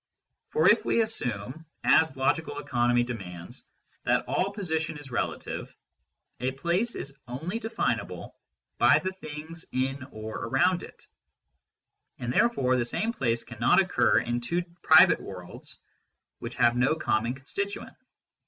For if we assume, as logical economy demands, that all position is relative, a place is only definable by the things in or around it, and therefore the same place cannot occur in two private worlds which have no common constituent.